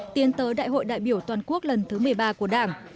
tiến tới đại hội đại biểu toàn quốc lần thứ một mươi ba của đảng